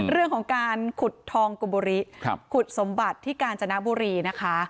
เรื่องของการขุดทองกุบุริขุดสมบัติที่กาญจนบุรีนะคะ